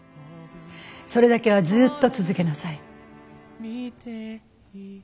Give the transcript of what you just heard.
それだけはずっと続けなさい。